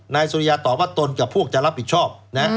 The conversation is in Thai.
นายสุริยาตอบว่าตนกับพวกจะรับผิดชอบนะ